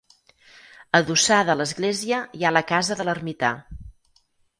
Adossada a l'església hi ha la casa de l'ermità.